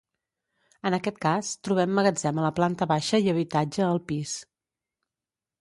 En aquest cas trobem magatzem a la planta baixa i habitatge al pis.